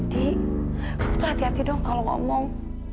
di kamu tuh hati hati dong kalau ngomong